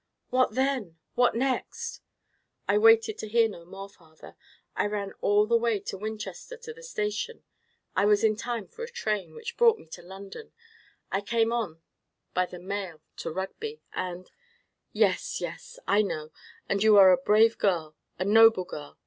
"What then? What next?" "I waited to hear no more, father; I ran all the way to Winchester to the station—I was in time for a train, which brought me to London—I came on by the mail to Rugby—and——" "Yes, yes; I know—and you are a brave girl, a noble girl.